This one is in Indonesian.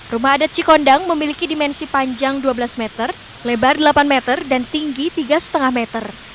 rumah adat cikondang memiliki dimensi panjang dua belas meter lebar delapan meter dan tinggi tiga lima meter